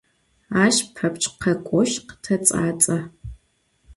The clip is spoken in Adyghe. Ащ пэпчъ къэкӏошъ къытэцӏацӏэ.